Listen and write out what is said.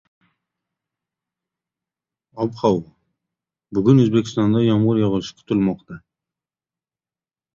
Ob-havo: bugun O‘zbekistonda yomg‘ir yog‘ishi kutilmoqda